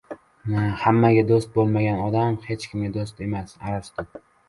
Hammaga do‘st bo‘lgan odam hech kimga do‘st emas. Arastu